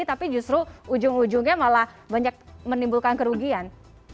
tapi justru ujung ujungnya malah banyak menimbulkan kerugian